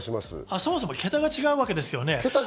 そもそも桁が違うわけです。